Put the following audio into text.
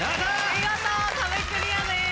見事壁クリアです。